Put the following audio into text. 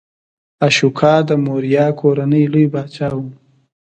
اشوکا د موریا کورنۍ لوی پاچا و.